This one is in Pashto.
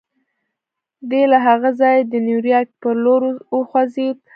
دی له هغه ځایه د نیویارک پر لور وخوځېد